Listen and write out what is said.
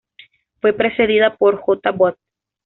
Fue precedida por "J. Bot.